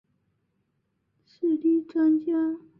水利专家。